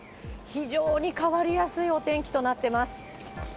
非常に変わりやすいお天気となっています。